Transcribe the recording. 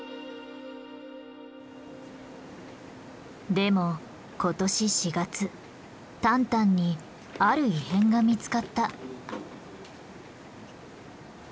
でも今年４月タンタンにある異変が見つかった。